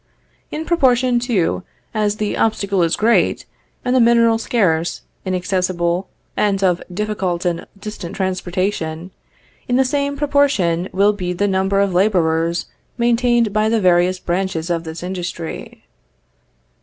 In proportion, too, as the obstacle is great, and the mineral scarce, inaccessible, and of difficult and distant transportation, in the same proportion will be the number of laborers maintained by the various branches of this industry.